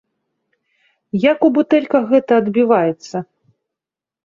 Як у бутэльках гэта адбіваецца?